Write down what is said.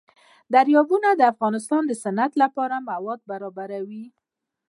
دریابونه د افغانستان د صنعت لپاره مواد برابروي.